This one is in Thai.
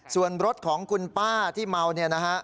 ส่วนรถของคุณป้าที่เมาเนี่ยนะฮะ